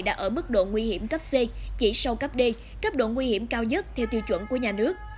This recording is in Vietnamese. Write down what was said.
đã ở mức độ nguy hiểm cấp c chỉ sau cấp d cấp độ nguy hiểm cao nhất theo tiêu chuẩn của nhà nước